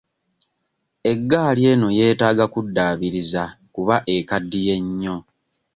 Eggaali eno yeetaaga kuddaabiriza kuba ekaddiye nnyo.